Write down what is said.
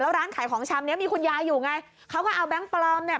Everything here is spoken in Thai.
ร้านขายของชำเนี้ยมีคุณยายอยู่ไงเขาก็เอาแก๊งปลอมเนี่ย